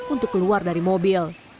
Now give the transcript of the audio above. untuk keluar dari mobil